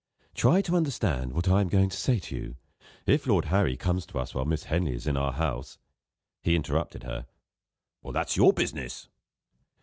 "Try to understand what I am going to say to you. If Lord Harry comes to us while Miss Henley is in our house " He interrupted her: "That's your business."